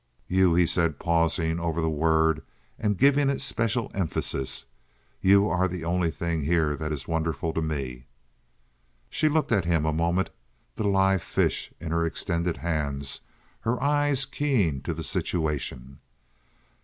"You," he said, pausing over the word and giving it special emphasis—"you are the only thing here that is wonderful to me." She looked at him a moment, the live fish in her extended hands, her eyes keying to the situation.